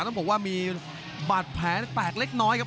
ต้องบอกว่ามีบาดแผลแตกเล็กน้อยครับ